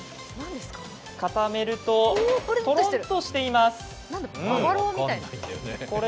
固めると、トロンとしています。